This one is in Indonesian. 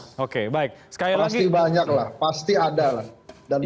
pasti banyaklah pasti ada lah